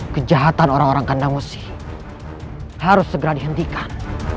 kejahatan orang orang kandang mesti harus segera dihentikan